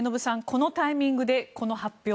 このタイミングでこの発表